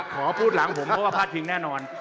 ขอพูดหลังผมเพราะว่าพาดพิงแน่นอน